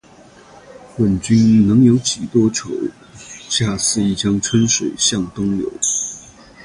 问君能有几多愁？恰似一江春水向东流